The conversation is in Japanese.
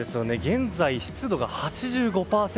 現在、湿度が８５％。